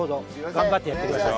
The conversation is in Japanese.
頑張ってやってください。